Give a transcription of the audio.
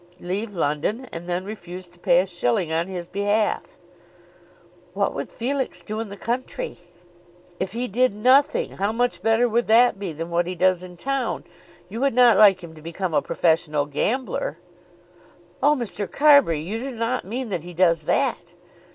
"Leave London, and then refuse to pay a shilling on his behalf." "What would Felix do in the country?" "If he did nothing, how much better would that be than what he does in town? You would not like him to become a professional gambler." "Oh, Mr. Carbury; you do not mean that he does that!"